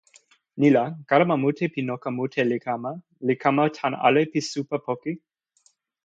ni la, kalama mute pi noka mute li kama, li kama tan ale pi supa poki.